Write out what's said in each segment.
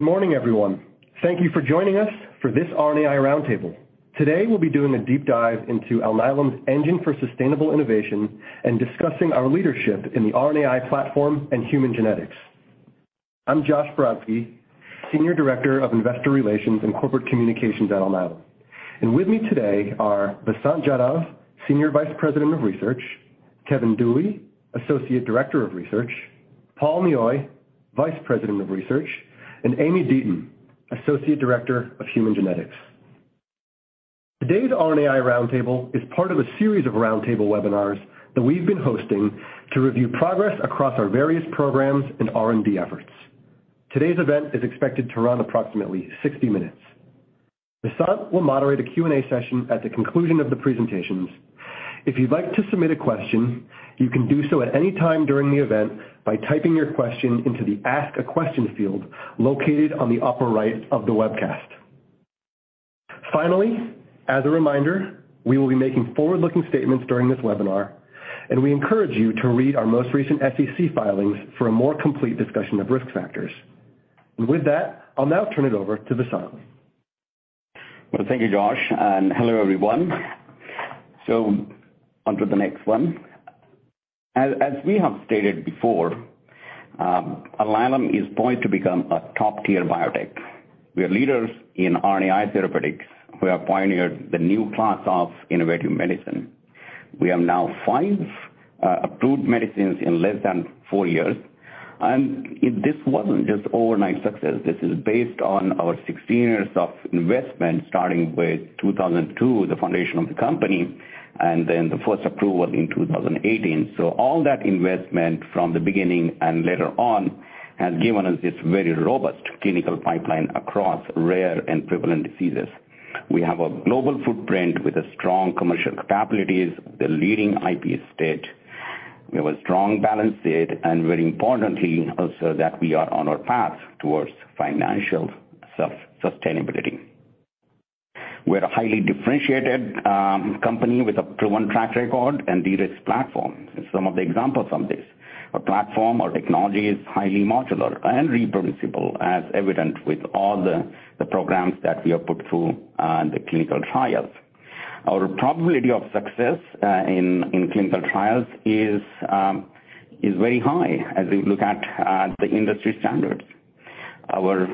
Good morning, everyone. Thank you for joining us for this RNAi roundtable. Today, we'll be doing a deep dive into Alnylam's engine for sustainable innovation and discussing our leadership in the RNAi platform and human genetics. I'm Josh Brodsky, Senior Director of Investor Relations and Corporate Communications at Alnylam. And with me today are Vasant Jadhav, Senior Vice President of Research, Kevin Dewey, Associate Director of Research, Paul Nioi, Vice President of Research, and Aimee Deaton, Associate Director of Human Genetics. Today's RNAi roundtable is part of a series of roundtable webinars that we've been hosting to review progress across our various programs and R&D efforts. Today's event is expected to run approximately 60 minutes. Vasant will moderate a Q and A session at the conclusion of the presentations. If you'd like to submit a question, you can do so at any time during the event by typing your question into the Ask a Question field located on the upper right of the webcast. Finally, as a reminder, we will be making forward-looking statements during this webinar, and we encourage you to read our most recent SEC filings for a more complete discussion of risk factors. And with that, I'll now turn it over to Vasant. Thank you, Josh. Hello, everyone. On to the next one. As we have stated before, Alnylam is poised to become a top-tier biotech. We are leaders in RNAi therapeutics. We have pioneered the new class of innovative medicine. We have now five approved medicines in less than four years. This wasn't just overnight success. This is based on our 16 years of investment, starting with 2002, the foundation of the company, and then the first approval in 2018. All that investment from the beginning and later on has given us this very robust clinical pipeline across rare and prevalent diseases. We have a global footprint with strong commercial capabilities, the leading IP estate. We have a strong balance sheet, and very importantly, also that we are on our path towards financial self-sustainability. We're a highly differentiated company with a proven track record and de-risked platform. Some of the examples of this: our platform, our technology is highly modular and reproducible, as evident with all the programs that we have put through and the clinical trials. Our probability of success in clinical trials is very high as we look at the industry standards. Our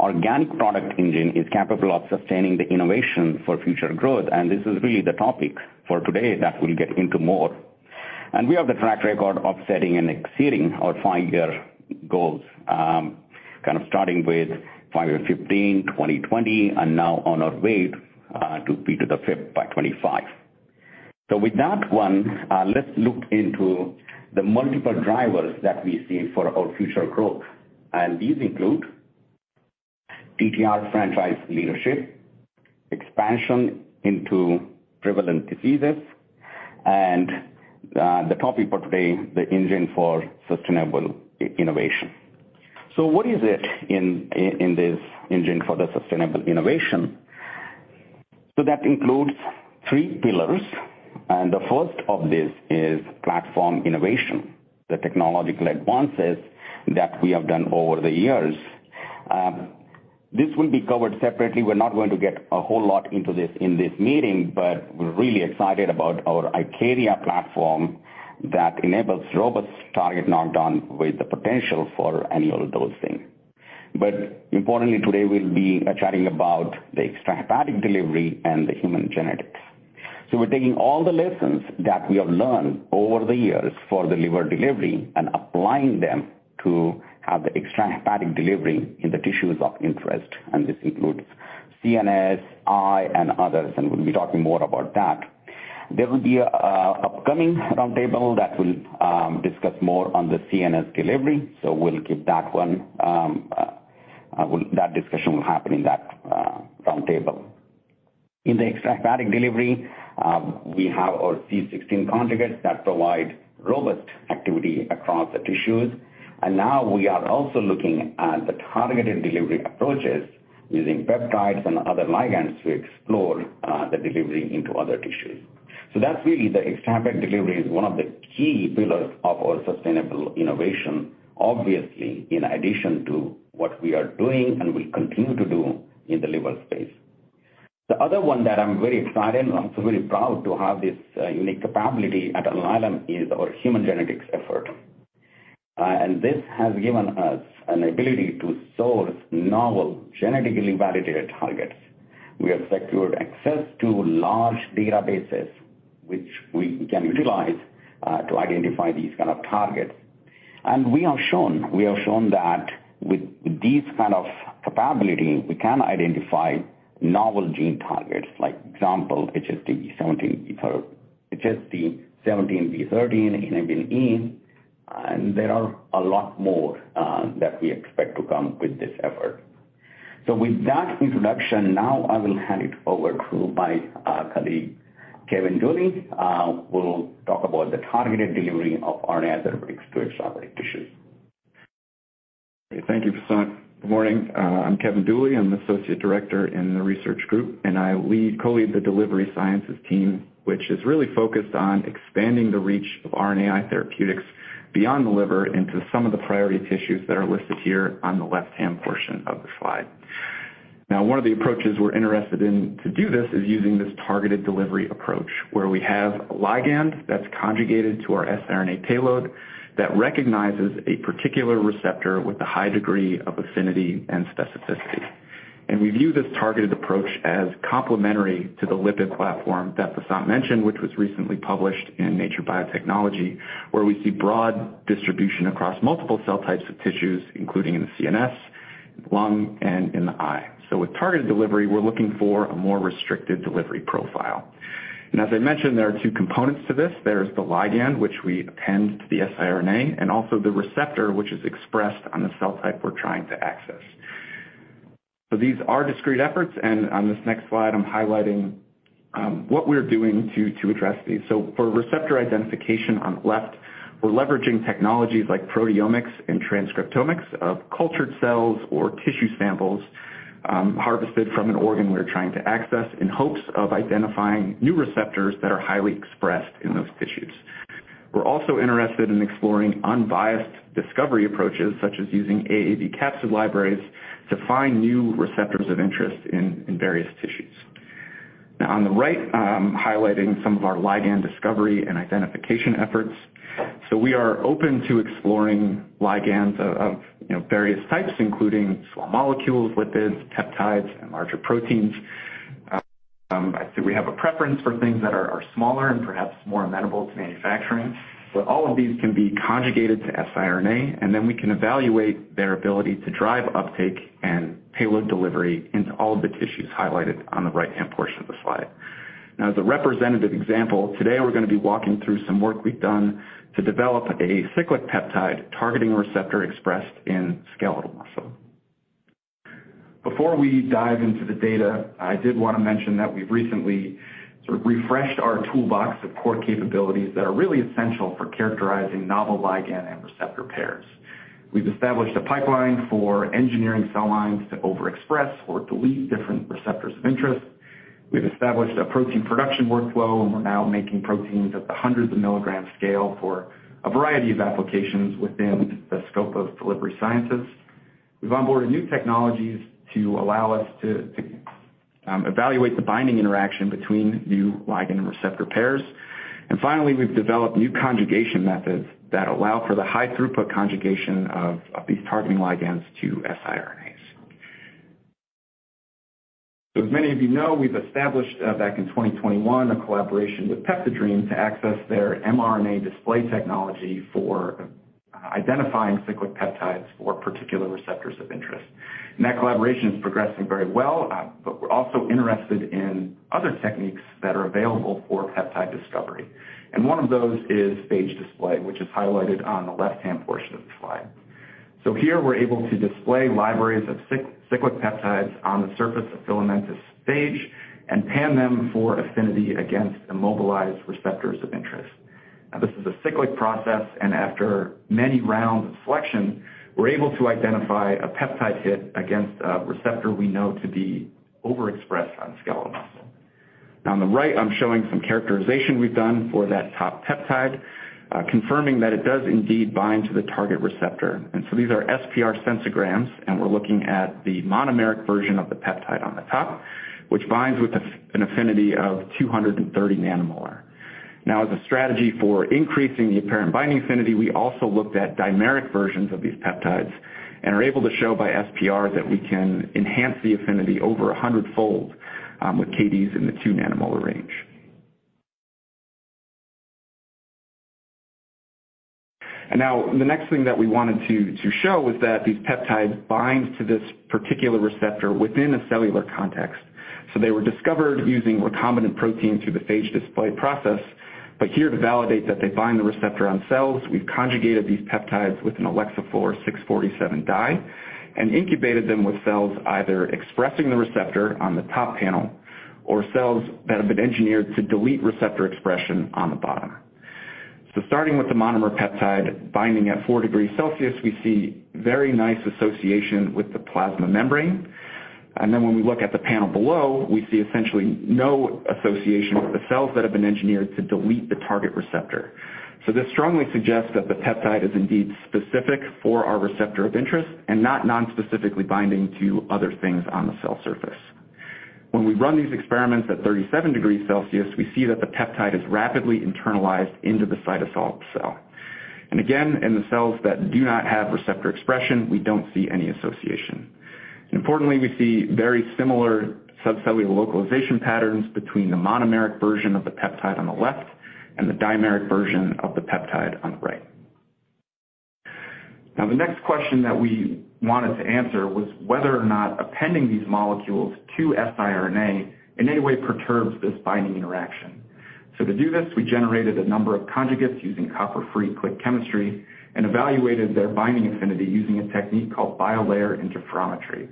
organic product engine is capable of sustaining the innovation for future growth, and this is really the topic for today that we'll get into more. And we have the track record of setting and exceeding our five-year goals, kind of starting with five-year 2015, 2020, and now on our way to P5 by 2025. So with that one, let's look into the multiple drivers that we see for our future growth. And these include TTR Franchise leadership, expansion into prevalent diseases, and the topic for today, the engine for sustainable innovation. So, what is it in this engine for the sustainable innovation? That includes three pillars. And the first of these is platform innovation, the technological advances that we have done over the years. This will be covered separately. We're not going to get a whole lot into this in this meeting, but we're really excited about our IKARIA platform that enables robust target knockdown with the potential for annual dosing. But importantly, today we'll be chatting about the extra-hepatic delivery and the human genetics. We're taking all the lessons that we have learned over the years for the liver delivery and applying them to have the extra-hepatic delivery in the tissues of interest. And this includes CNS, eye, and others, and we'll be talking more about that. There will be an upcoming roundtable that will discuss more on the CNS delivery. We'll keep that one. That discussion will happen in that roundtable. In the extra-hepatic delivery, we have our C16 conjugates that provide robust activity across the tissues, and now we are also looking at the targeted delivery approaches using peptides and other ligands to explore the delivery into other tissues, so that's really the extra-hepatic delivery is one of the key pillars of our sustainable innovation, obviously, in addition to what we are doing and will continue to do in the liver space. The other one that I'm very excited and also very proud to have this unique capability at Alnylam is our human genetics effort, and this has given us an ability to source novel genetically validated targets. We have secured access to large databases, which we can utilize to identify these kind of targets. We have shown that with these kind of capability, we can identify novel gene targets, like example, HSD17B13, Inhibin E, and there are a lot more that we expect to come with this effort. So with that introduction, now I will hand it over to my colleague, Kevin Dewey, who will talk about the targeted delivery of RNAi therapeutics to extra-hepatic tissues. Thank you, Vasant. Good morning. I'm Kevin Dewey. I'm the Associate Director in the research group, and I co-lead the delivery sciences team, which is really focused on expanding the reach of RNAi therapeutics beyond the liver into some of the priority tissues that are listed here on the left-hand portion of the slide. Now, one of the approaches we're interested in to do this is using this targeted delivery approach, where we have a ligand that's conjugated to our siRNA payload that recognizes a particular receptor with a high degree of affinity and specificity, and we view this targeted approach as complementary to the lipid platform that Vasant mentioned, which was recently published in Nature Biotechnology, where we see broad distribution across multiple cell types of tissues, including in the CNS, lung, and in the eye, so with targeted delivery, we're looking for a more restricted delivery profile. As I mentioned, there are two components to this. There is the ligand, which we append to the siRNA, and also the receptor, which is expressed on the cell type we're trying to access. These are discrete efforts. On this next slide, I'm highlighting what we're doing to address these. For receptor identification on the left, we're leveraging technologies like proteomics and transcriptomics of cultured cells or tissue samples harvested from an organ we're trying to access in hopes of identifying new receptors that are highly expressed in those tissues. We're also interested in exploring unbiased discovery approaches, such as using AAV capsid libraries to find new receptors of interest in various tissues. Now, on the right, I'm highlighting some of our ligand discovery and identification efforts. We are open to exploring ligands of various types, including small molecules, lipids, peptides, and larger proteins. I think we have a preference for things that are smaller and perhaps more amenable to manufacturing. But all of these can be conjugated to siRNA, and then we can evaluate their ability to drive uptake and payload delivery into all of the tissues highlighted on the right-hand portion of the slide. Now, as a representative example, today we're going to be walking through some work we've done to develop a cyclic peptide targeting a receptor expressed in skeletal muscle. Before we dive into the data, I did want to mention that we've recently refreshed our toolbox of core capabilities that are really essential for characterizing novel ligand and receptor pairs. We've established a pipeline for engineering cell lines to overexpress or delete different receptors of interest. We've established a protein production workflow, and we're now making proteins at the hundreds of milligram scale for a variety of applications within the scope of delivery sciences. We've onboarded new technologies to allow us to evaluate the binding interaction between new ligand and receptor pairs, and finally, we've developed new conjugation methods that allow for the high-throughput conjugation of these targeting ligands to siRNAs. So as many of you know, we've established back in 2021 a collaboration with PeptiDream to access their mRNA display technology for identifying cyclic peptides for particular receptors of interest, and that collaboration is progressing very well, but we're also interested in other techniques that are available for peptide discovery, and one of those is phage display, which is highlighted on the left-hand portion of the slide. So here, we're able to display libraries of cyclic peptides on the surface of filamentous phage and pan them for affinity against immobilized receptors of interest. Now, this is a cyclic process, and after many rounds of selection, we're able to identify a peptide hit against a receptor we know to be overexpressed on skeletal muscle. Now, on the right, I'm showing some characterization we've done for that top peptide, confirming that it does indeed bind to the target receptor. And so these are SPR sensograms, and we're looking at the monomeric version of the peptide on the top, which binds with an affinity of 230 nanomolar. Now, as a strategy for increasing the apparent binding affinity, we also looked at dimeric versions of these peptides and are able to show by SPR that we can enhance the affinity over 100-fold with KDs in the 2 nanomolar range. Now, the next thing that we wanted to show was that these peptides bind to this particular receptor within a cellular context. They were discovered using recombinant protein through the phage display process. Here, to validate that they bind the receptor on cells, we've conjugated these peptides with an Alexa Fluor 647 dye and incubated them with cells either expressing the receptor on the top panel or cells that have been engineered to delete receptor expression on the bottom. Starting with the monomer peptide binding at four degrees Celsius, we see very nice association with the plasma membrane. Then when we look at the panel below, we see essentially no association with the cells that have been engineered to delete the target receptor. This strongly suggests that the peptide is indeed specific for our receptor of interest and not nonspecifically binding to other things on the cell surface. When we run these experiments at 37 degrees Celsius, we see that the peptide is rapidly internalized into the cell cytosol. Again, in the cells that do not have receptor expression, we don't see any association. And importantly, we see very similar subcellular localization patterns between the monomeric version of the peptide on the left and the dimeric version of the peptide on the right. Now, the next question that we wanted to answer was whether or not appending these molecules to siRNA in any way perturbs this binding interaction. To do this, we generated a number of conjugates using copper-free click chemistry and evaluated their binding affinity using a technique called Biolayer Interferometry.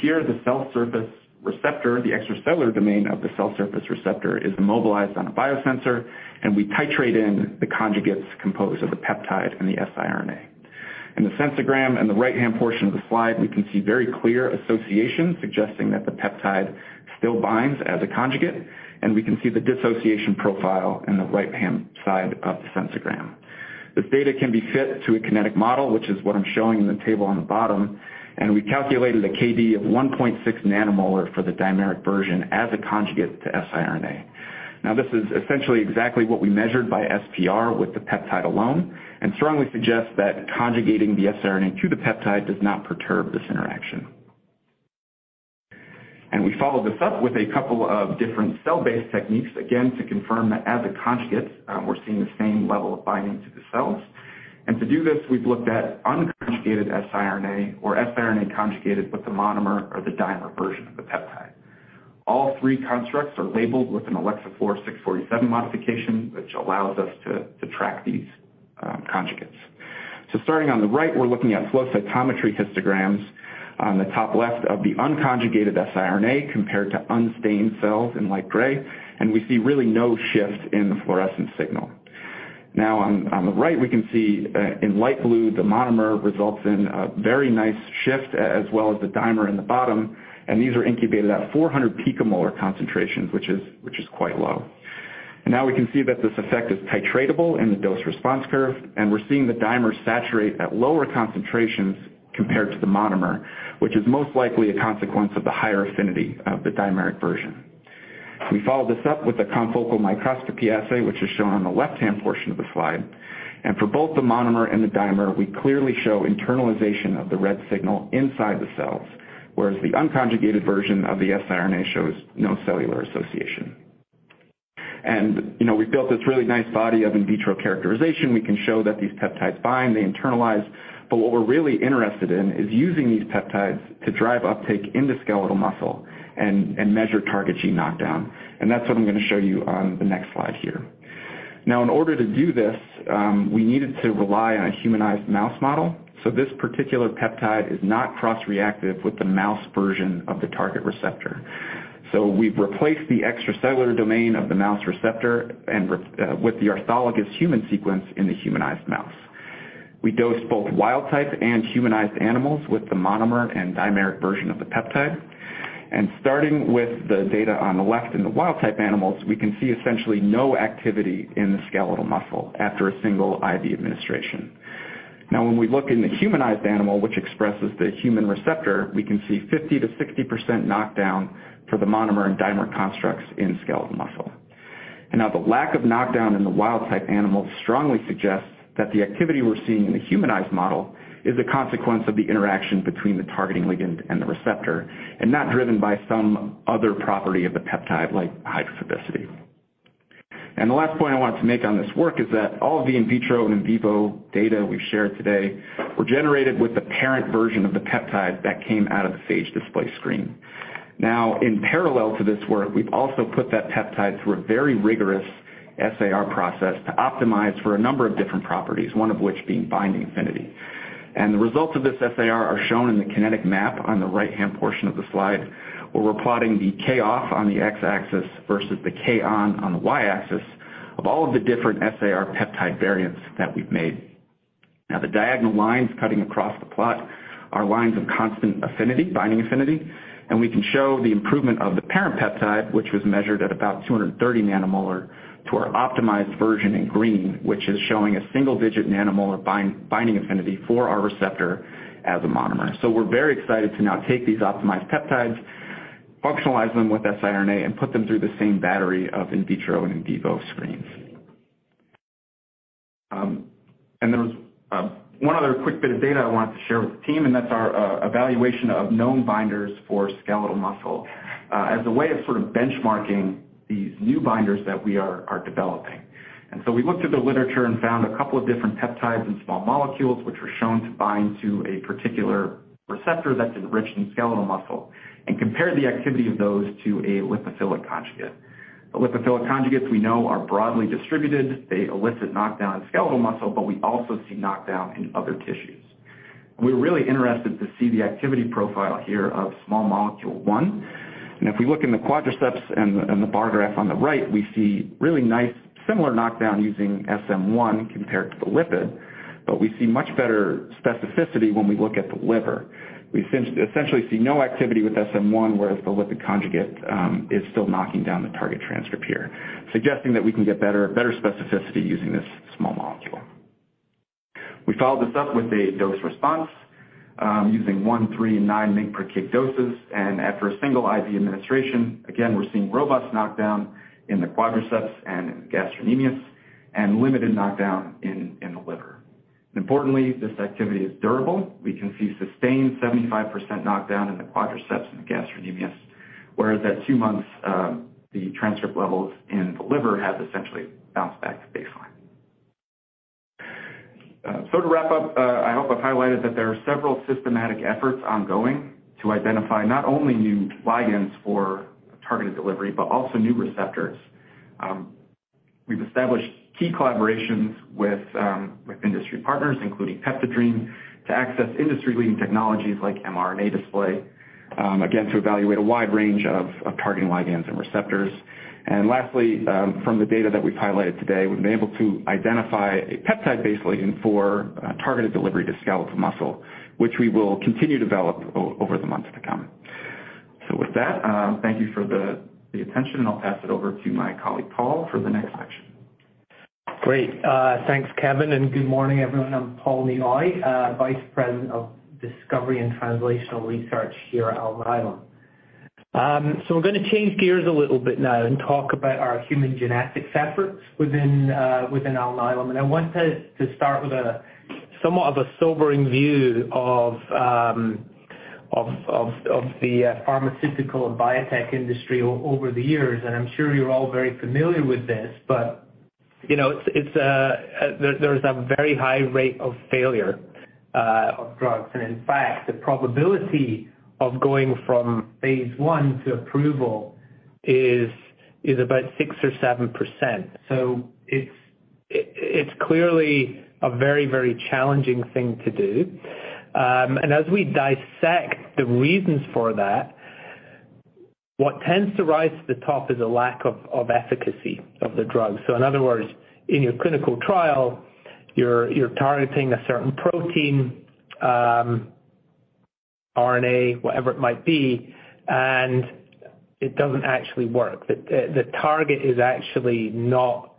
Here, the cell surface receptor, the extracellular domain of the cell surface receptor, is immobilized on a biosensor, and we titrate in the conjugates composed of the peptide and the siRNA. In the sensogram and the right-hand portion of the slide, we can see very clear associations suggesting that the peptide still binds as a conjugate, and we can see the dissociation profile in the right-hand side of the sensogram. This data can be fit to a kinetic model, which is what I'm showing in the table on the bottom, and we calculated a KD of 1.6 nanomolar for the dimeric version as a conjugate to siRNA. Now, this is essentially exactly what we measured by SPR with the peptide alone and strongly suggests that conjugating the siRNA to the peptide does not perturb this interaction. We followed this up with a couple of different cell-based techniques, again, to confirm that as a conjugate, we're seeing the same level of binding to the cells. To do this, we've looked at unconjugated siRNA or siRNA conjugated with the monomer or the dimer version of the peptide. All three constructs are labeled with an Alexa 647 modification, which allows us to track these conjugates. Starting on the right, we're looking at flow cytometry histograms on the top left of the unconjugated siRNA compared to unstained cells in light gray, and we see really no shift in the fluorescence signal. Now, on the right, we can see in light blue, the monomer results in a very nice shift, as well as the dimer in the bottom, and these are incubated at 400 picomolar concentrations, which is quite low. Now we can see that this effect is titratable in the dose-response curve, and we're seeing the dimer saturate at lower concentrations compared to the monomer, which is most likely a consequence of the higher affinity of the dimeric version. We followed this up with a confocal microscopy assay, which is shown on the left-hand portion of the slide. For both the monomer and the dimer, we clearly show internalization of the red signal inside the cells, whereas the unconjugated version of the siRNA shows no cellular association. We've built this really nice body of in vitro characterization. We can show that these peptides bind, they internalize, but what we're really interested in is using these peptides to drive uptake into skeletal muscle and measure target gene knockdown. That's what I'm going to show you on the next slide here. Now, in order to do this, we needed to rely on a humanized mouse model. So this particular peptide is not cross-reactive with the mouse version of the target receptor. So we've replaced the extracellular domain of the mouse receptor with the orthologous human sequence in the humanized mouse. We dosed both wild-type and humanized animals with the monomer and dimeric version of the peptide. And starting with the data on the left in the wild-type animals, we can see essentially no activity in the skeletal muscle after a single IV administration. Now, when we look in the humanized animal, which expresses the human receptor, we can see 50% to 60% knockdown for the monomer and dimer constructs in skeletal muscle. Now, the lack of knockdown in the wild-type animals strongly suggests that the activity we're seeing in the humanized model is a consequence of the interaction between the targeting ligand and the receptor, and not driven by some other property of the peptide like hydrophobicity. The last point I wanted to make on this work is that all of the in vitro and in vivo data we've shared today were generated with the parent version of the peptide that came out of the phage display screen. Now, in parallel to this work, we've also put that peptide through a very rigorous SAR process to optimize for a number of different properties, one of which being binding affinity. And the results of this SAR are shown in the kinetic map on the right-hand portion of the slide, where we're plotting the K off on the x-axis versus the K on on the y-axis of all of the different SAR peptide variants that we've made. Now, the diagonal lines cutting across the plot are lines of constant affinity, binding affinity, and we can show the improvement of the parent peptide, which was measured at about 230 nanomolar, to our optimized version in green, which is showing a single-digit nanomolar binding affinity for our receptor as a monomer. So we're very excited to now take these optimized peptides, functionalize them with siRNA, and put them through the same battery of in vitro and in vivo screens. And there was one other quick bit of data I wanted to share with the team, and that's our evaluation of known binders for skeletal muscle as a way of sort of benchmarking these new binders that we are developing. And so we looked at the literature and found a couple of different peptides and small molecules which were shown to bind to a particular receptor that's enriched in skeletal muscle and compared the activity of those to a lipophilic conjugate. The lipophilic conjugates, we know, are broadly distributed. They elicit knockdown in skeletal muscle, but we also see knockdown in other tissues. And we're really interested to see the activity profile here of small molecule 1. If we look in the quadriceps and the bar graph on the right, we see really nice similar knockdown using SM1 compared to the lipid, but we see much better specificity when we look at the liver. We essentially see no activity with SM1, whereas the lipid conjugate is still knocking down the target transcript here, suggesting that we can get better specificity using this small molecule. We followed this up with a dose-response using 1, 3, and 9 mg/kg doses, and after a single IV administration, again, we're seeing robust knockdown in the quadriceps and gastrocnemius and limited knockdown in the liver. Importantly, this activity is durable. We can see sustained 75% knockdown in the quadriceps and gastrocnemius, whereas at two months, the transcript levels in the liver have essentially bounced back to baseline. So to wrap up, I hope I've highlighted that there are several systematic efforts ongoing to identify not only new ligands for targeted delivery, but also new receptors. We've established key collaborations with industry partners, including PeptiDream, to access industry-leading technologies like mRNA display, again, to evaluate a wide range of targeting ligands and receptors. And lastly, from the data that we've highlighted today, we've been able to identify a peptide-based ligand for targeted delivery to skeletal muscle, which we will continue to develop over the months to come. So with that, thank you for the attention, and I'll pass it over to my colleague Paul for the next section. Great. Thanks, Kevin, and good morning, everyone. I'm Paul Nioi, Vice President of Discovery and Translational Research here at Alnylam. So we're going to change gears a little bit now and talk about our human genetics efforts within Alnylam. And I want to start with somewhat of a sobering view of the pharmaceutical and biotech industry over the years. And I'm sure you're all very familiar with this, but there's a very high rate of failure of drugs. And in fact, the probability of going from phase one to approval is about 6% or 7%. So it's clearly a very, very challenging thing to do. And as we dissect the reasons for that, what tends to rise to the top is a lack of efficacy of the drug. So in other words, in your clinical trial, you're targeting a certain protein, RNA, whatever it might be, and it doesn't actually work. The target is actually not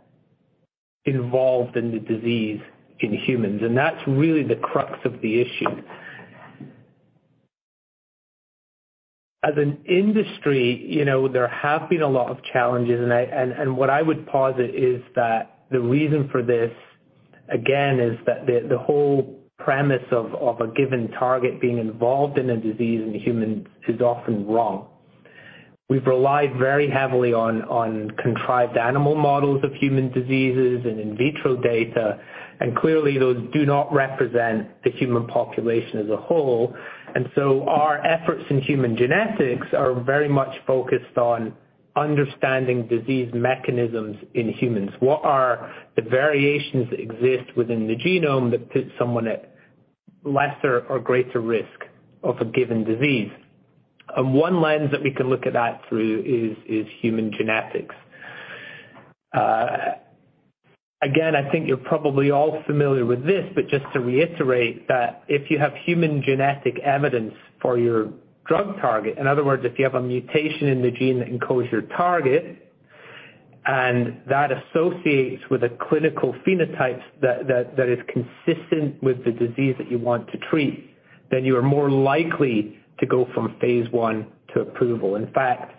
involved in the disease in humans. And that's really the crux of the issue. As an industry, there have been a lot of challenges, and what I would posit is that the reason for this, again, is that the whole premise of a given target being involved in a disease in humans is often wrong. We've relied very heavily on contrived animal models of human diseases and in vitro data, and clearly, those do not represent the human population as a whole. And so our efforts in human genetics are very much focused on understanding disease mechanisms in humans. What are the variations that exist within the genome that put someone at lesser or greater risk of a given disease? One lens that we can look at that through is human genetics. Again, I think you're probably all familiar with this, but just to reiterate that if you have human genetic evidence for your drug target, in other words, if you have a mutation in the gene that encodes your target and that associates with a clinical phenotype that is consistent with the disease that you want to treat, then you are more likely to go from Phase 1 to approval. In fact,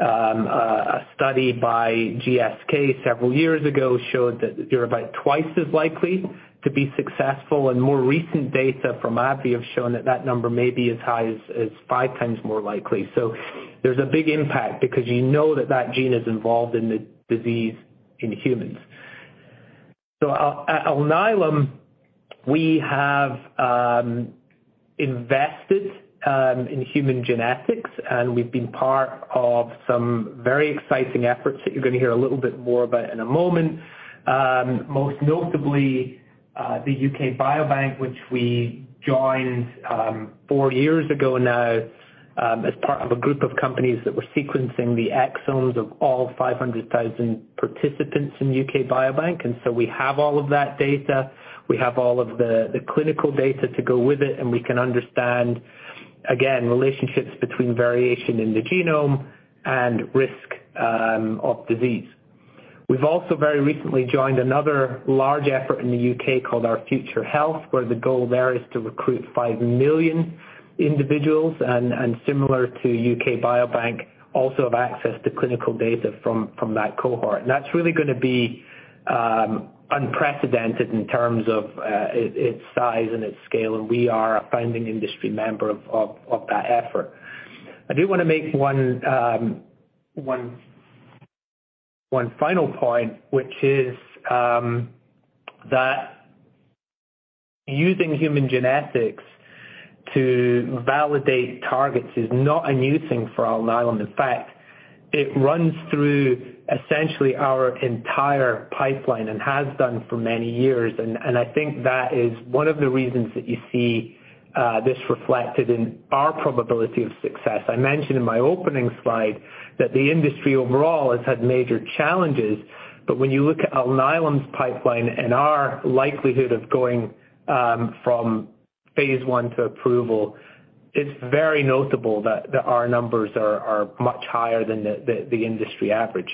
a study by GSK several years ago showed that you're about twice as likely to be successful, and more recent data from AbbVie have shown that that number may be as high as five times more likely. There's a big impact because you know that that gene is involved in the disease in humans. So at Alnylam, we have invested in human genetics, and we've been part of some very exciting efforts that you're going to hear a little bit more about in a moment, most notably the UK Biobank, which we joined four years ago now as part of a group of companies that were sequencing the exomes of all 500,000 participants in UK Biobank, and so we have all of that data. We have all of the clinical data to go with it, and we can understand, again, relationships between variation in the genome and risk of disease. We've also very recently joined another large effort in the UK called Our Future Health, where the goal there is to recruit 5 million individuals and, similar to UK Biobank, also have access to clinical data from that cohort. And that's really going to be unprecedented in terms of its size and its scale, and we are a founding industry member of that effort. I do want to make one final point, which is that using human genetics to validate targets is not a new thing for Alnylam. In fact, it runs through essentially our entire pipeline and has done for many years. And I think that is one of the reasons that you see this reflected in our probability of success. I mentioned in my opening slide that the industry overall has had major challenges, but when you look at Alnylam's pipeline and our likelihood of going from Phase 1 to approval, it's very notable that our numbers are much higher than the industry average.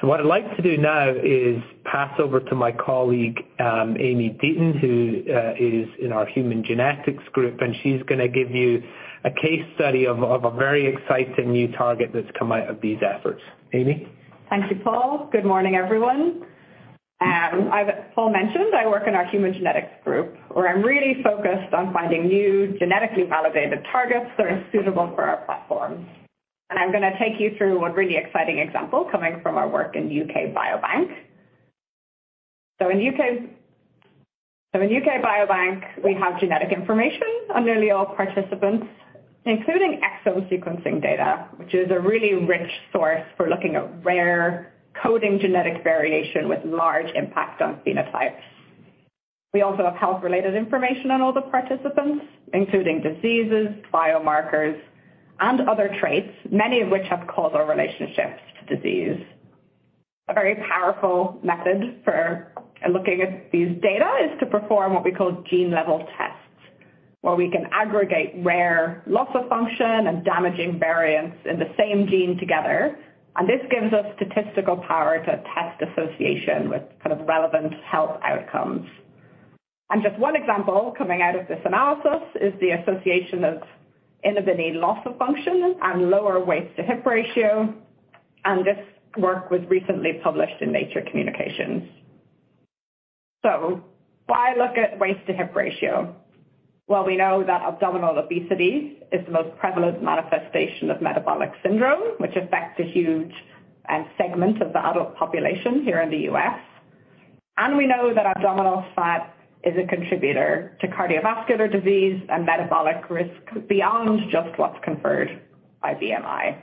So what I'd like to do now is pass over to my colleague, Aimee Deaton, who is in our human genetics group, and she's going to give you a case study of a very exciting new target that's come out of these efforts. Aimee? Thank you, Paul. Good morning, everyone. As Paul mentioned, I work in our human genetics group, where I'm really focused on finding new genetically validated targets that are suitable for our platform. And I'm going to take you through one really exciting example coming from our work in UK Biobank. So in UK Biobank, we have genetic information on nearly all participants, including exome sequencing data, which is a really rich source for looking at rare coding genetic variation with large impact on phenotypes. We also have health-related information on all the participants, including diseases, biomarkers, and other traits, many of which have causal relationships to disease. A very powerful method for looking at these data is to perform what we call gene-level tests, where we can aggregate rare loss of function and damaging variants in the same gene together. This gives us statistical power to test association with kind of relevant health outcomes. Just one example coming out of this analysis is the association of INHBE loss of function and lower waist-to-hip ratio. This work was recently published in Nature Communications. Why look at Waist-to-Hip Ratio? We know that abdominal obesity is the most prevalent manifestation of metabolic syndrome, which affects a huge segment of the adult population here in the U.S. We know that abdominal fat is a contributor to cardiovascular disease and metabolic risk beyond just what's conferred by BMI.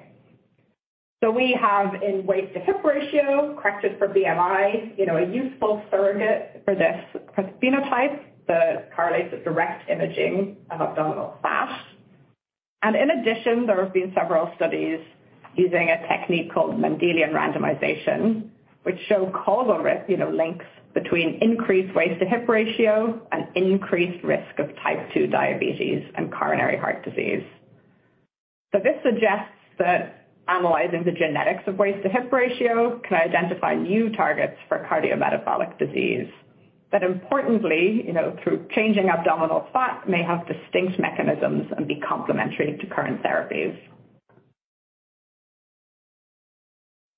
We have, in Waist-to-Hip Ratio, corrected for BMI, a useful surrogate for this phenotype that correlates with direct imaging of abdominal fat. In addition, there have been several studies using a technique called Mendelian Randomization, which show causal links between increased waist-to-hip ratio and increased risk of type 2 diabetes and coronary heart disease. This suggests that analyzing the genetics of Waist-to-Hip Ratio can identify new targets for cardiometabolic disease that, importantly, through changing abdominal fat, may have distinct mechanisms and be complementary to current therapies.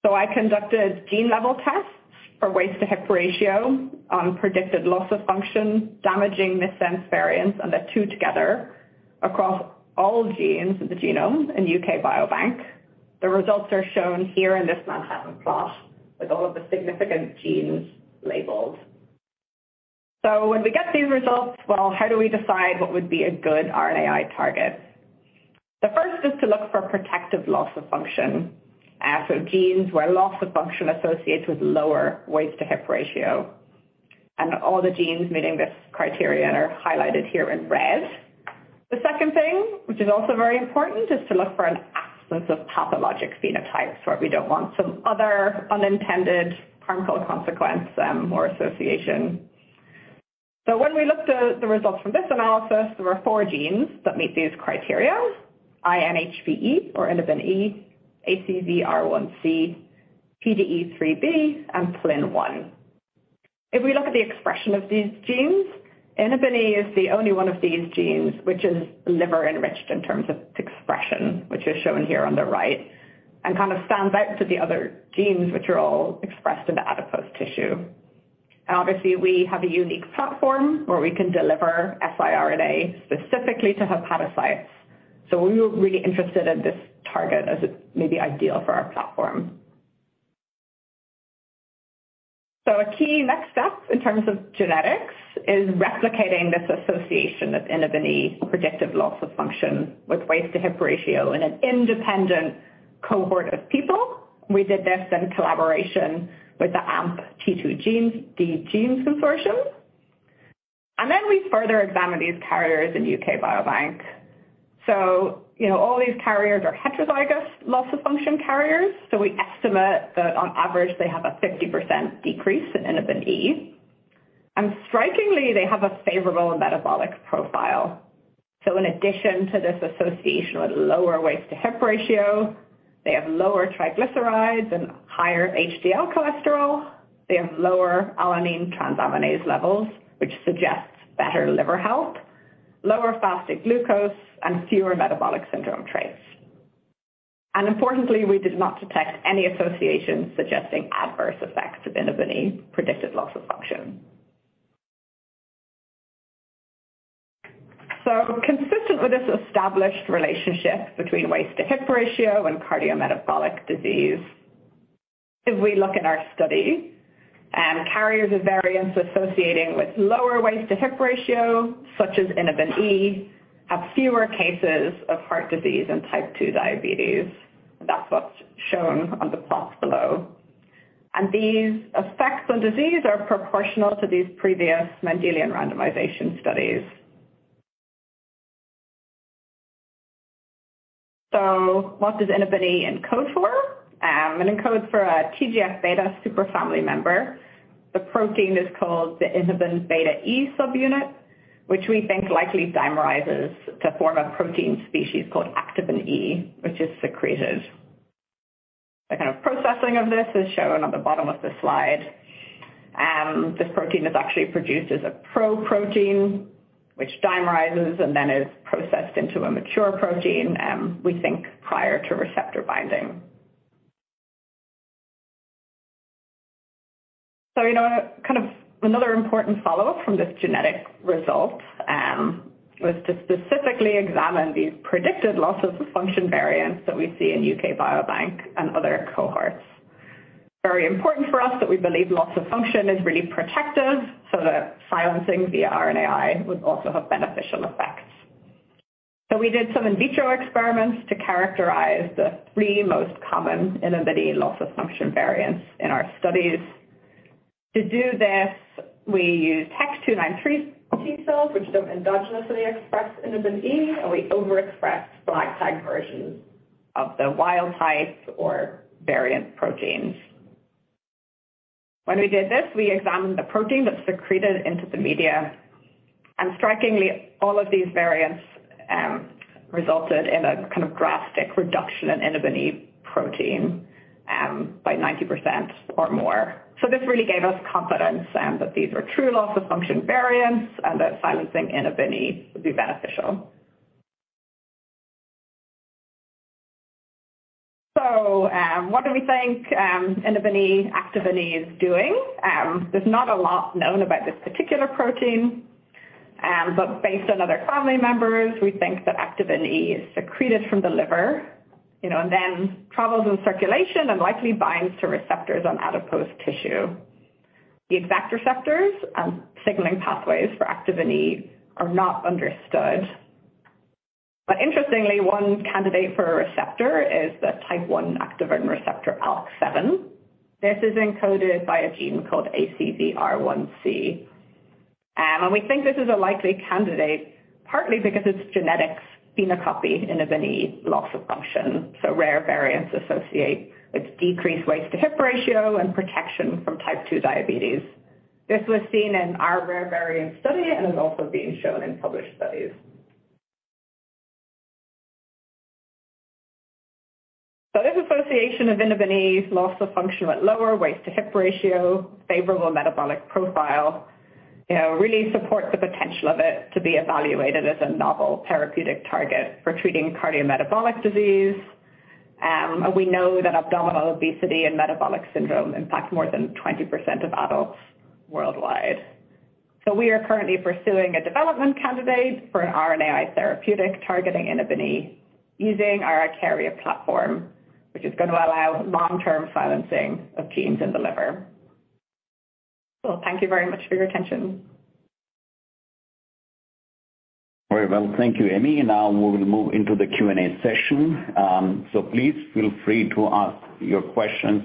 I conducted gene-level tests for waist-to-hip ratio on predicted loss of function, damaging missense variants, and the two together across all genes in the genome in UK Biobank. The results are shown here in this Manhattan plot with all of the significant genes labeled. When we get these results, well, how do we decide what would be a good RNAi target? The first is to look for protective loss of function, so genes where loss of function associates with lower Waist-to-Hip Ratio. All the genes meeting this criteria are highlighted here in red. The second thing, which is also very important, is to look for an absence of pathologic phenotypes, where we don't want some other unintended harmful consequence or association. When we looked at the results from this analysis, there were four genes that meet these criteria: INHBE, or Inhibin E, ACVR1C, PDE3B, and PLIN1. If we look at the expression of these genes, Inhibin E is the only one of these genes which is liver-enriched in terms of its expression, which is shown here on the right, and kind of stands out to the other genes which are all expressed in the adipose tissue. Obviously, we have a unique platform where we can deliver siRNA specifically to hepatocytes. We were really interested in this target as it may be ideal for our platform. A key next step in terms of genetics is replicating this association of Activin E predictive loss of function with Waist-to-Hip Ratio in an independent cohort of people. We did this in collaboration with the AMP T2D-GENES Consortium. Then we further examined these carriers in UK Biobank. All these carriers are heterozygous loss-of-function carriers. We estimate that on average, they have a 50% decrease in Activin E. Strikingly, they have a favorable metabolic profile. In addition to this association with lower Waist-to-Hip Ratio, they have lower triglycerides and higher HDL cholesterol. They have lower alanine transaminase levels, which suggests better liver health, lower fasting glucose, and fewer metabolic syndrome traits. Importantly, we did not detect any associations suggesting adverse effects of Activin E predictive loss of function. Consistent with this established relationship between Waist-to-Hip Ratio and cardiometabolic disease, if we look at our study, carriers of variants associating with lower Waist-to-Hip Ratio, such as Inhibin E, have fewer cases of heart disease and type 2 diabetes. That's what's shown on the plot below. And these effects on disease are proportional to these previous Mendelian Randomization studies. So what does Inhibin E encode for? It encodes for a TGF-beta superfamily member. The protein is called the Inhibin beta E subunit, which we think likely dimerizes to form a protein species called Activin E, which is secreted. The kind of processing of this is shown on the bottom of the slide. This protein is actually produced as a pro-protein, which dimerizes and then is processed into a mature protein, we think prior to receptor binding. Kind of another important follow-up from this genetic result was to specifically examine these predicted loss-of-function variants that we see in UK Biobank and other cohorts. Very important for us that we believe loss-of-function is really protective, so that silencing via RNAi would also have beneficial effects. We did some in vitro experiments to characterize the three most common Inhibin E loss-of-function variants in our studies. To do this, we used HEK293T cells, which don't endogenously express Inhibin E, and we overexpressed FLAG tag versions of the wild type or variant proteins. When we did this, we examined the protein that secreted into the media. Strikingly, all of these variants resulted in a kind of drastic reduction in Inhibin E protein by 90% or more. This really gave us confidence that these are true loss-of-function variants and that silencing Inhibin E would be beneficial. So what do we think Inhibin E, Activin E, is doing? There's not a lot known about this particular protein. But based on other family members, we think that Activin E is secreted from the liver and then travels in circulation and likely binds to receptors on adipose tissue. The exact receptors and signaling pathways for Activin E are not understood. But interestingly, one candidate for a receptor is the type 1 Activin receptor ALK7. This is encoded by a gene called ACVR1C. And we think this is a likely candidate, partly because it's genetics phenocopy Inhibin E loss-of-function. So rare variants associate with decreased waist-to-hip ratio and protection from type 2 diabetes. This was seen in our rare variant study and has also been shown in published studies. This association of Inhibin E loss-of-function with lower waist-to-hip ratio, favorable metabolic profile, really supports the potential of it to be evaluated as a novel therapeutic target for treating cardiometabolic disease. We know that abdominal obesity and metabolic syndrome impact more than 20% of adults worldwide. We are currently pursuing a development candidate for an RNAi therapeutic targeting Inhibin E using our IKARIA platform, which is going to allow long-term silencing of genes in the liver. Thank you very much for your attention. Very well. Thank you, Aimee. Now we will move into the Q and A session. So please feel free to ask your questions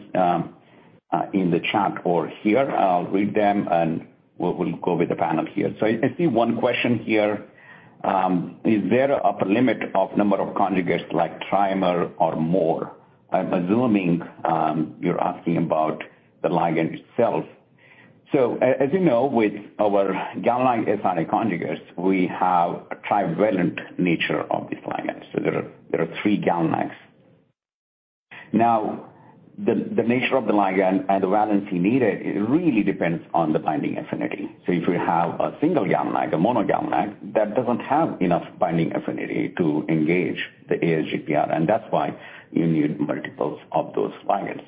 in the chat or here. I'll read them, and we'll go with the panel here. So I see one question here. Is there an upper limit of number of conjugates like trimer or more? I'm assuming you're asking about the ligand itself. So as you know, with our GalNAc siRNA conjugates, we have a trivalent nature of this ligand. So there are three GalNAcs. Now, the nature of the ligand and the valency needed really depends on the binding affinity. So if you have a single GalNAc, a mono GalNAc, that doesn't have enough binding affinity to engage the ASGPR. And that's why you need multiples of those ligands.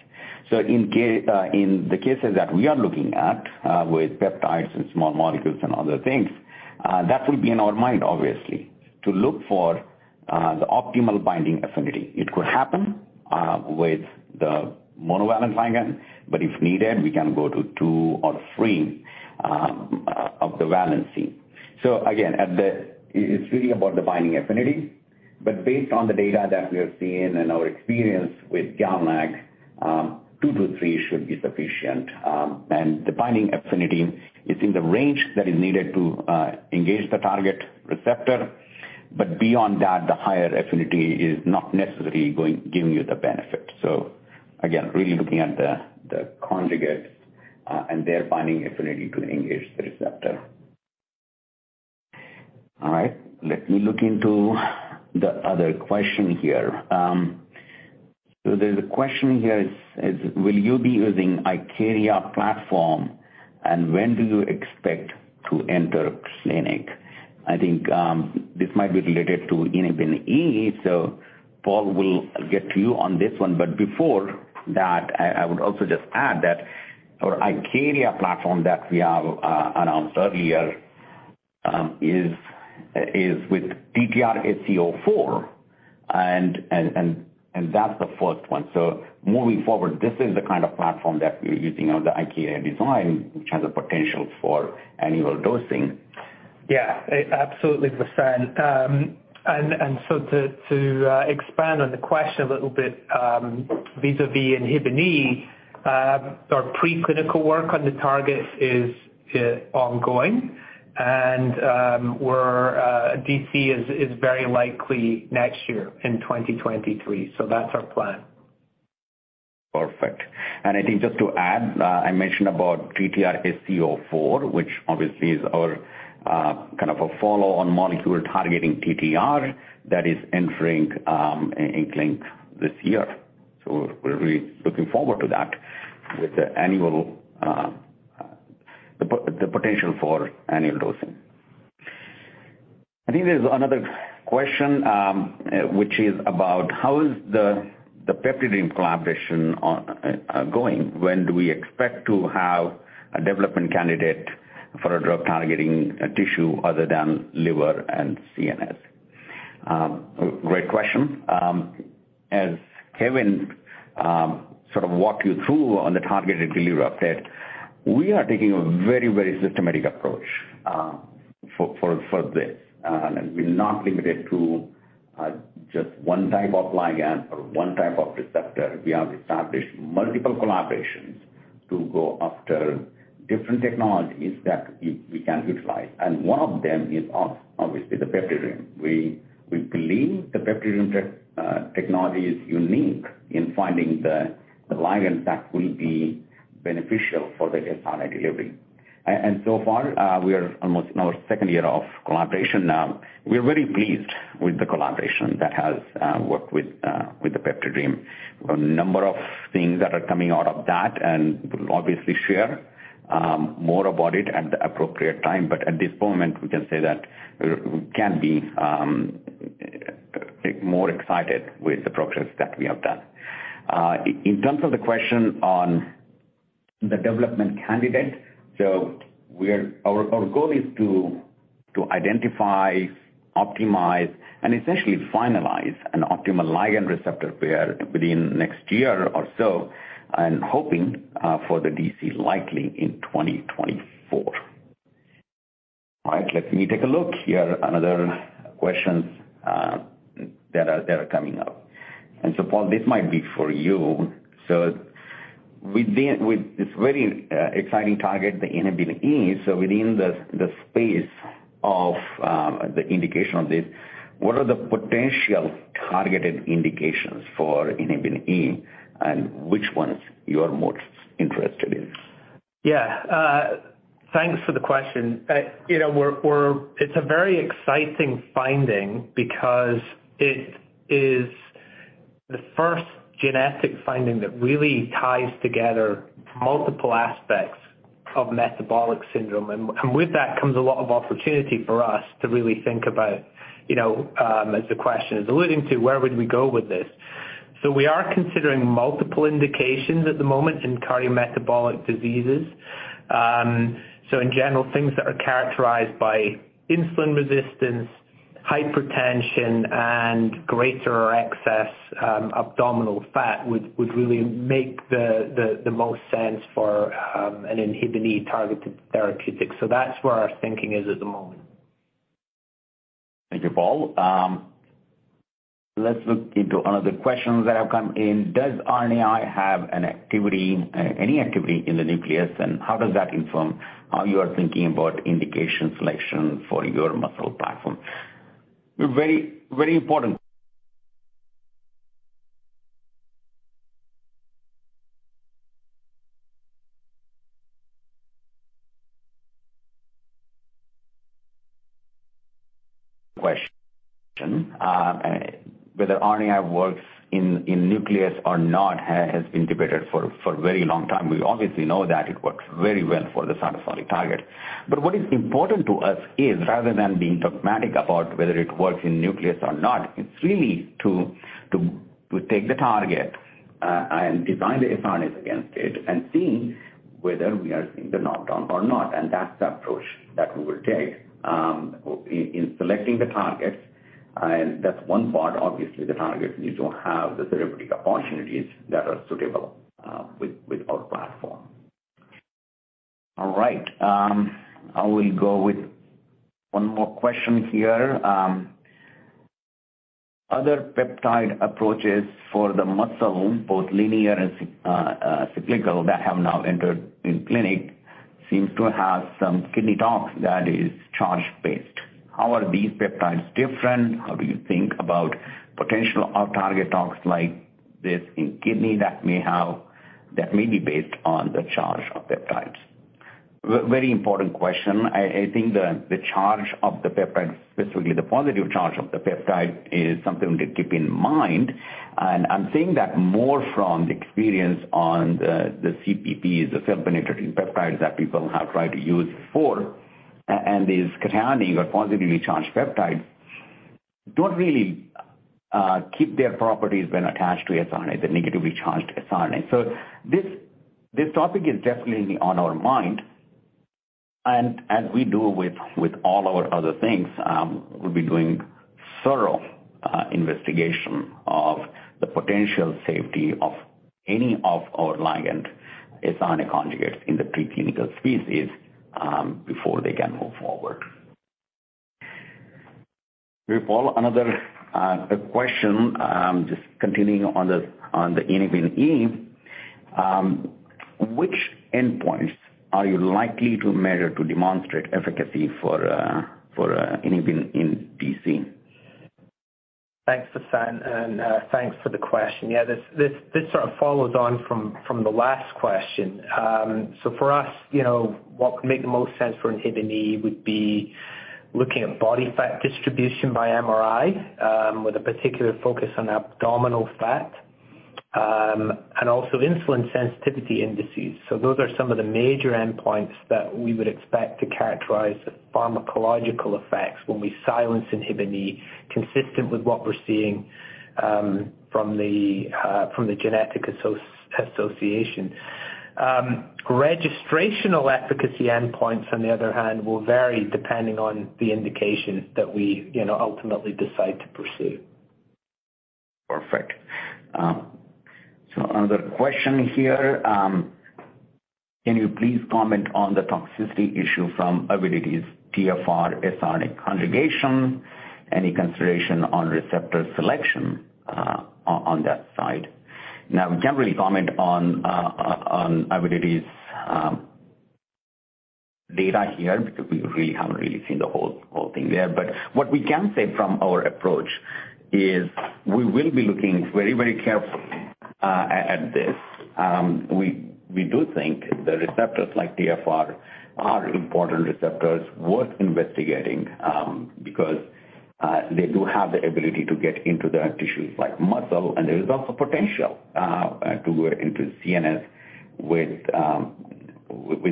In the cases that we are looking at with peptides and small molecules and other things, that would be in our mind, obviously, to look for the optimal binding affinity. It could happen with the monovalent ligand, but if needed, we can go to two or three of the valency. Again, it's really about the binding affinity. But based on the data that we are seeing and our experience with GalNAc-like, two to three should be sufficient. And the binding affinity is in the range that is needed to engage the target receptor. But beyond that, the higher affinity is not necessarily giving you the benefit. Again, really looking at the conjugates and their binding affinity to engage the receptor. All right. Let me look into the other question here. So the question here is, will you be using IKARIA platform, and when do you expect to enter clinic? I think this might be related to Inhibin E. So Paul will get to you on this one. But before that, I would also just add that our IKARIA platform that we have announced earlier is with ALN-TTRsc04, and that's the first one. So moving forward, this is the kind of platform that we're using on the IKARIA design, which has a potential for annual dosing. Yeah, absolutely, Vasant. And so to expand on the question a little bit, vis-à-vis Inhibin E, our preclinical work on the targets is ongoing. And DC is very likely next year in 2023. So that's our plan. Perfect. And I think just to add, I mentioned about ALN-TTRsc04, which obviously is our kind of a follow-on molecule targeting TTR that is entering in clinic this year. So we're really looking forward to that with the potential for annual dosing. I think there's another question, which is about how is the PeptiDream collaboration going? When do we expect to have a development candidate for a drug targeting tissue other than liver and CNS? Great question. As Kevin sort of walked you through on the targeted delivery update, we are taking a very, very systematic approach for this. And we're not limited to just one type of ligand or one type of receptor. We have established multiple collaborations to go after different technologies that we can utilize. And one of them is obviously the PeptiDream. We believe the PeptiDream technology is unique in finding the ligand that will be beneficial for the siRNA delivery. And so far, we are almost in our second year of collaboration. We're very pleased with the collaboration that has worked with the PeptiDream. A number of things that are coming out of that, and we'll obviously share more about it at the appropriate time. But at this moment, we can say that we can be more excited with the progress that we have done. In terms of the question on the development candidate, so our goal is to identify, optimize, and essentially finalize an optimal ligand receptor pair within next year or so, and hoping for the DC likely in 2024. All right. Let me take a look here. Another question that are coming up. And so Paul, this might be for you. With this very exciting target, the Activin E, within the space of the indication of this, what are the potential targeted indications for Activin E, and which ones you are most interested in? Yeah. Thanks for the question. It's a very exciting finding because it is the first genetic finding that really ties together multiple aspects of metabolic syndrome, and with that comes a lot of opportunity for us to really think about, as the question is alluding to, where would we go with this, so we are considering multiple indications at the moment in cardiometabolic diseases, so in general, things that are characterized by insulin resistance, hypertension, and greater excess abdominal fat would really make the most sense for an Inhibin E-targeted therapeutic, so that's where our thinking is at the moment. Thank you, Paul. Let's look into another question that have come in. Does RNAi have any activity in the nucleus, and how does that inform how you are thinking about indication selection for your muscle platform? Very important question. Whether RNAi works in nucleus or not has been debated for a very long time. We obviously know that it works very well for the cytosolic target. But what is important to us is, rather than being dogmatic about whether it works in nucleus or not, it's really to take the target and design the siRNAs against it and see whether we are seeing the knockdown or not. And that's the approach that we will take in selecting the targets. And that's one part, obviously, the target needs to have the therapeutic opportunities that are suitable with our platform. All right. I will go with one more question here. Other peptide approaches for the muscle, both linear and cyclic, that have now entered clinic seem to have some kidney tox that is charge-based. How are these peptides different? How do you think about potential target tox like this in kidney that may be based on the charge of peptides? Very important question. I think the charge of the peptide, specifically the positive charge of the peptide, is something to keep in mind. And I'm seeing that more from the experience on the CPPs, the self-penetrating peptides that people have tried to use before, and these cationic or positively charged peptides don't really keep their properties when attached to siRNA, the negatively charged siRNA. So this topic is definitely on our mind. As we do with all our other things, we'll be doing thorough investigation of the potential safety of any of our ligand siRNA conjugates in the preclinical species before they can move forward. Paul, another question, just continuing on the Inhibin E. Which endpoints are you likely to measure to demonstrate efficacy for Inhibin in DC? Thanks, Vasant, and thanks for the question. Yeah, this sort of follows on from the last question. So for us, what would make the most sense for Inhibin E would be looking at body fat distribution by MRI, with a particular focus on abdominal fat, and also insulin sensitivity indices. So those are some of the major endpoints that we would expect to characterize the pharmacological effects when we silence Inhibin E, consistent with what we're seeing from the genetic association. Registrational efficacy endpoints, on the other hand, will vary depending on the indication that we ultimately decide to pursue. Perfect. So another question here. Can you please comment on the toxicity issue from Avidity's TFR siRNA conjugation? Any consideration on receptor selection on that side? Now, we can't really comment on Avidity's data here because we really haven't seen the whole thing there. But what we can say from our approach is we will be looking very, very carefully at this. We do think the receptors like TFR are important receptors worth investigating because they do have the ability to get into the tissues like muscle. And there is also potential to go into CNS with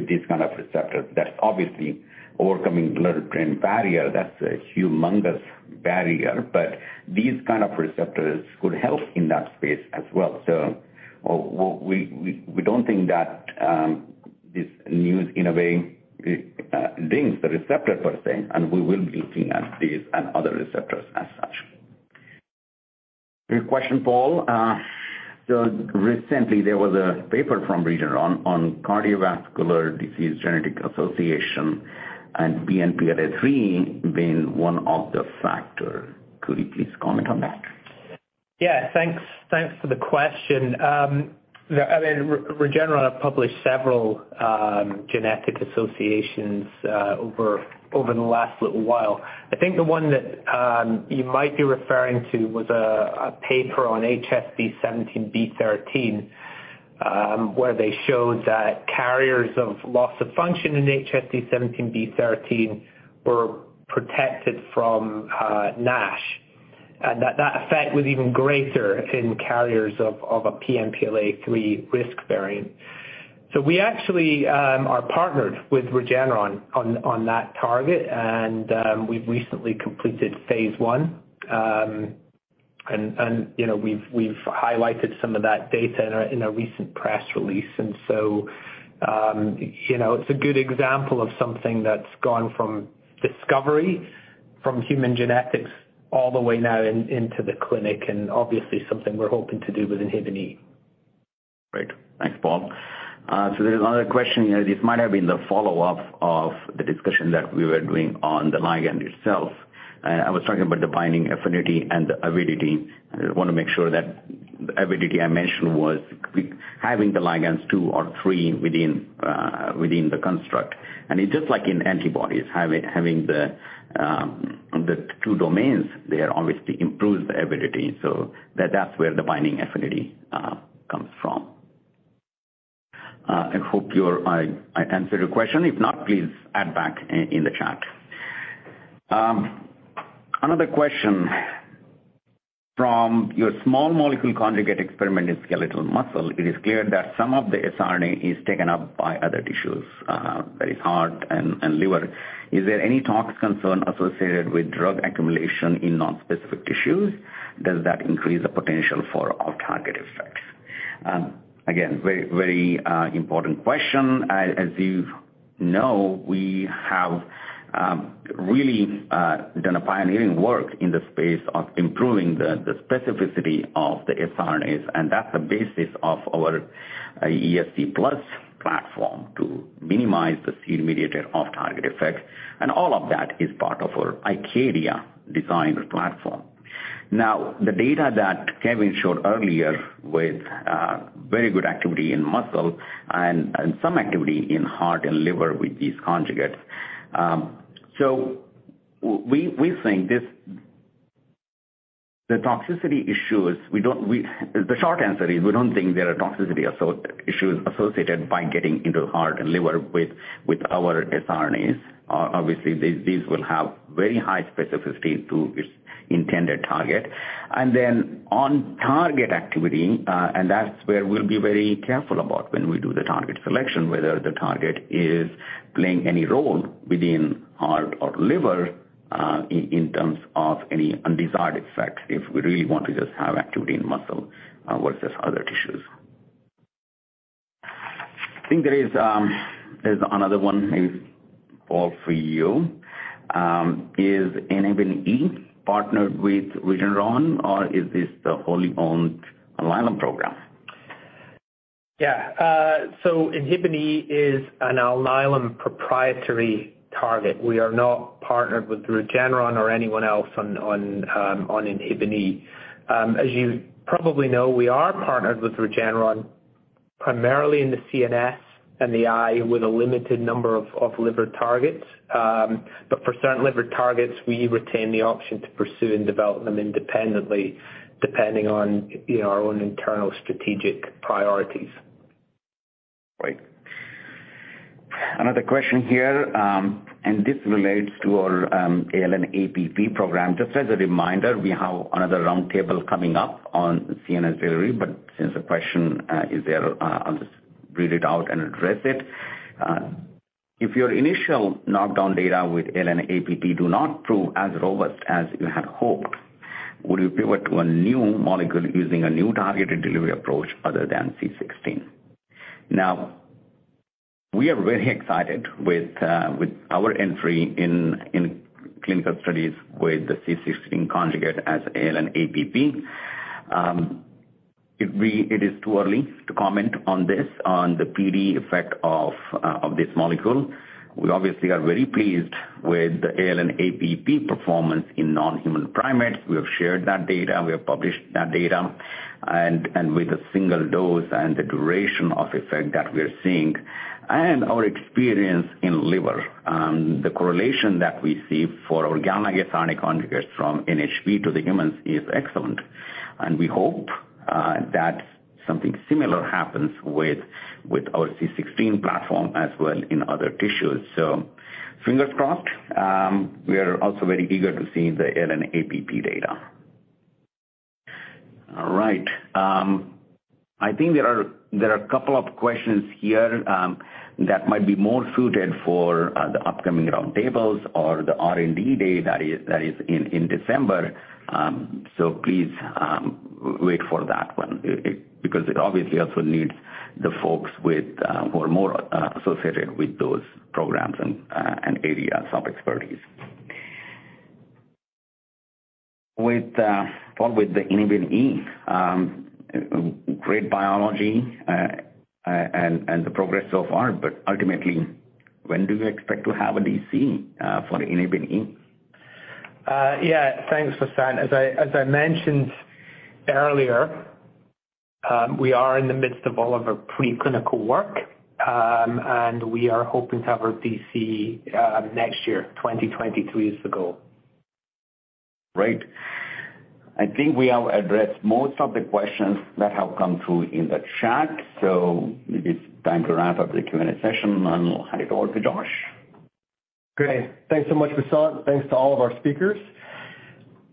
these kinds of receptors. That's obviously overcoming blood-brain barrier. That's a humongous barrier. But these kinds of receptors could help in that space as well. So we don't think that this news in a way links the receptor per se. And we will be looking at these and other receptors as such. Question, Paul. So recently, there was a paper from Regeneron on Cardiovascular Disease Genetic Association and PNPLA3 being one of the factors. Could you please comment on that? Yeah, thanks for the question. Regeneron have published several genetic associations over the last little while. I think the one that you might be referring to was a paper on HSD17B13, where they showed that carriers of loss of function in HSD17B13 were protected from NASH. And that effect was even greater in carriers of a PNPLA3 risk variant. So we actually are partnered with Regeneron on that target. And we've recently completed Phase 1. And we've highlighted some of that data in a recent press release. And so it's a good example of something that's gone from discovery from human genetics all the way now into the clinic, and obviously something we're hoping to do with Inhibin E. Great. Thanks, Paul. So there's another question here. This might have been the follow-up of the discussion that we were doing on the ligand itself. I was talking about the binding affinity and the avidity. I want to make sure that the avidity I mentioned was having the ligands two or three within the construct. And it's just like in antibodies, having the two domains there obviously improves the avidity. So that's where the binding affinity comes from. I hope I answered your question. If not, please add back in the chat. Another question. From your small molecule conjugate experiment in skeletal muscle, it is clear that some of the siRNA is taken up by other tissues, that is, heart and liver. Is there any tox concern associated with drug accumulation in nonspecific tissues? Does that increase the potential for off-target effects? Again, very important question. As you know, we have really done a pioneering work in the space of improving the specificity of the siRNAs. And that's the basis of our ESC+ platform to minimize the RISC-mediated off-target effect. And all of that is part of our IKARIA design platform. Now, the data that Kevin showed earlier with very good activity in muscle and some activity in heart and liver with these conjugates. So we think the toxicity issues the short answer is we don't think there are toxicity issues associated with getting into the heart and liver with our siRNAs. Obviously, these will have very high specificity to its intended target. And then on-target activity, and that's where we'll be very careful about when we do the target selection, whether the target is playing any role within heart or liver in terms of any undesired effects if we really want to just have activity in muscle versus other tissues. I think there's another one, Paul, for you. Is Inhibin E partnered with Regeneron, or is this the wholly-owned Alnylam program? Yeah. So Inhibin E is an Alnylam proprietary target. We are not partnered with Regeneron or anyone else on Inhibin E. As you probably know, we are partnered with Regeneron primarily in the CNS and the eye with a limited number of liver targets. But for certain liver targets, we retain the option to pursue and develop them independently, depending on our own internal strategic priorities. Right. Another question here. And this relates to our ALN-APP program. Just as a reminder, we have another roundtable coming up on CNS delivery. But since the question is there, I'll just read it out and address it. If your initial knockdown data with ALN-APP do not prove as robust as you had hoped, would you pivot to a new molecule using a new targeted delivery approach other than C16? Now, we are very excited with our entry in clinical studies with the C16 conjugate as ALN-APP. It is too early to comment on this, on the PD effect of this molecule. We obviously are very pleased with the ALN-APP performance in non-human primates. We have shared that data. We have published that data. And with a single dose and the duration of effect that we are seeing and our experience in liver, the correlation that we see for GalNAc siRNA conjugates from NHP to the humans is excellent. And we hope that something similar happens with our C16 platform as well in other tissues. So fingers crossed. We are also very eager to see the ALN-APP data. All right. I think there are a couple of questions here that might be more suited for the upcoming roundtables or the R&D Day that is in December. So please wait for that one because it obviously also needs the folks who are more associated with those programs and areas of expertise. Paul, with the Inhibin E, great biology and the progress so far. But ultimately, when do you expect to have a DC for Inhibin E? Yeah. Thanks, Vasant. As I mentioned earlier, we are in the midst of all of our preclinical work, and we are hoping to have our DC next year. 2023 is the goal. Great. I think we have addressed most of the questions that have come through in the chat, so it's time to wrap up the Q and A session, and I'll hand it over to Josh. Great. Thanks so much, Vasant. Thanks to all of our speakers.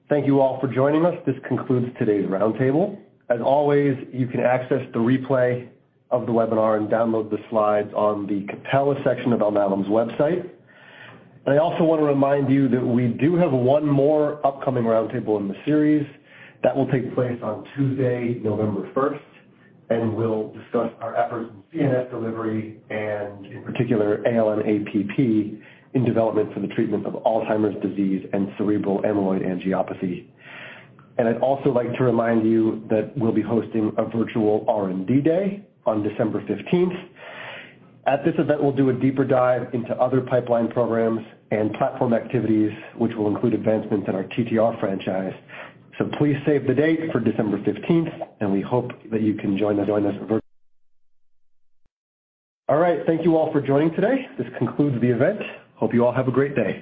Thank you all for joining us. This concludes today's roundtable. As always, you can access the replay of the webinar and download the slides on the Calendar section of Alnylam's website, and I also want to remind you that we do have one more upcoming roundtable in the series that will take place on Tuesday, November 1st, and we'll discuss our efforts in CNS delivery and, in particular, ALN-APP in development for the treatment of Alzheimer's disease and cerebral amyloid angiopathy. I'd also like to remind you that we'll be hosting a virtual R&D Day on December 15th. At this event, we'll do a deeper dive into other pipeline programs and platform activities, which will include advancements in our TTR franchise. Please save the date for December 15th, and we hope that you can join us. All right. Thank you all for joining today. This concludes the event. Hope you all have a great day.